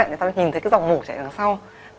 chúng ta nhìn thấy cái dòng mũ chảy đằng sau